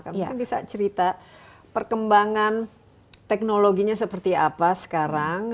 kamu bisa cerita perkembangan teknologinya seperti apa sekarang